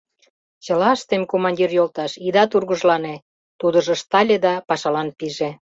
— Чыла ыштем, командир йолташ, ида тургыжлане, — тудыжо ыштале да пашалан пиже.